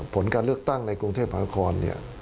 ผลการเลือกตั้งในกรุงเทพฯมหาละคร